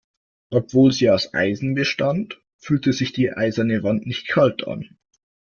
Obwohl sie aus Eisen bestand, fühlte sich die eiserne Wand nicht kalt an.